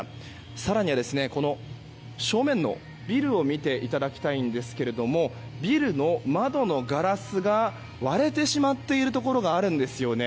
更に、正面のビルを見ていただきたいんですがビルの窓のガラスが割れてしまっているところがあるんですよね。